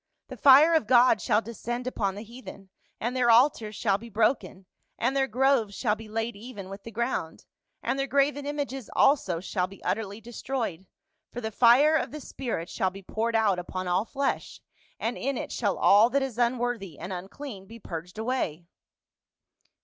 The fire of God shall descend upon the heathen, and their altars shall be broken, and their groves shall be laid even with the ground, and their graven images also shall be utterly destroyed, for the fire of the spirit shall be poured out upon all flesh, and in it shall all that is unworthy and unclean be purged away."